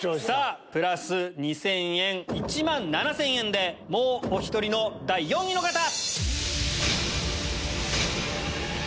さぁプラス２０００円１万７０００円でもうお１人の第４位の方！